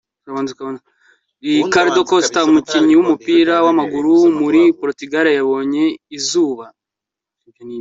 Ricardo Costa, umukinnyi w’umupira w’amaguru wo muri Portugal yabonye izuba.